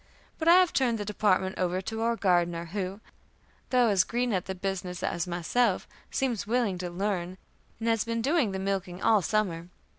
But I have turned that department over to our gardener, who, though as green at the business as myself, seems willing to learn, and has been doing the milking all summer.